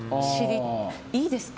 いいですか？